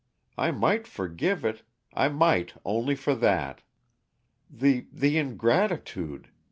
I might forgive it I might, only for that. The the ingratitude!